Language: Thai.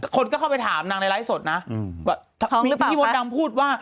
คนก็เข้าไปถามนางในไลค์สดนะอืมว่าท้องหรือเปล่าพี่มดำพูดว่า